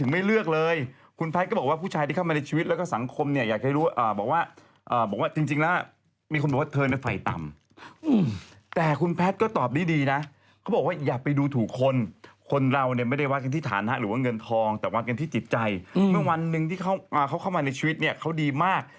เมื่อวันหนึ่งที่เขาเข้ามาในชีวิตเนี่ยเขาดีมาก